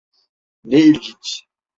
Ne ilginç.